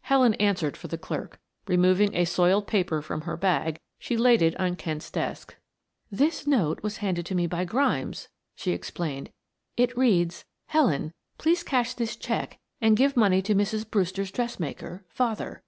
Helen answered for the clerk. Removing a soiled paper from her bag she laid it on Kent's desk. "This note was handed to me by Grimes," she explained. "It reads: 'Helen, please cash this check and give money to Mrs. Brewster's dressmaker. Father.'